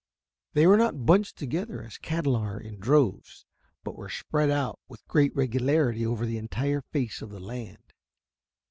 They were not bunched together as cattle are, in droves, but were spread out with great regularity over the entire face of the land.